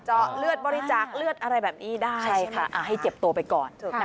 เจาะเลือดบริจักษ์เลือดอะไรแบบนี้ได้ค่ะให้เจ็บตัวไปก่อน